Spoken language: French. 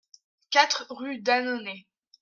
quatre rue d'Annonay